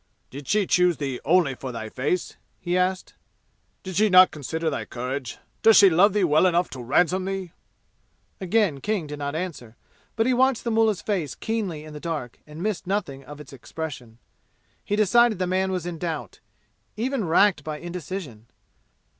"Did she choose thee only for thy face?" he asked. "Did she not consider thy courage? Does she love thee well enough to ransom thee?" Again King did not answer, but he watched the mullah's face keenly in the dark and missed nothing of its expression. He decided the man was in doubt even racked by indecision.